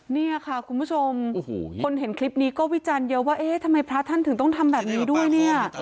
เนี่ยค่ะคุณผู้ชมคนเห็นคลิปนี้ก็วิจารณ์เยอะว่าเอ๊ะทำไมพระท่านถึงต้องทำแบบนี้ด้วยเนี่ย